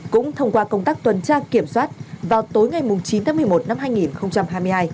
cũng thông qua công tác tuần tra kiểm soát vào tối ngày chín tháng một mươi một năm hai nghìn hai mươi hai